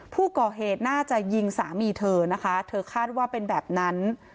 ผู้ก่อเหตุน่าจะยิงสามีเธอนะคะเธอคาดว่าเป็นแบบนั้น